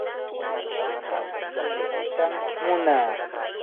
huanukuta riqitam munaa.